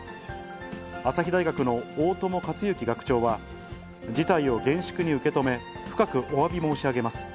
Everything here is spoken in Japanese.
朝日大学の大友克之学長は、事態を厳粛に受け止め、深くおわび申し上げます。